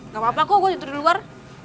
gak apa apa kok gue tidur di luar